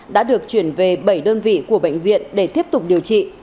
đã được chuyển về bảy đơn vị của bệnh viện để tiếp tục điều trị